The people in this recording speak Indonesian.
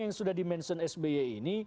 yang sudah dimenjel sby ini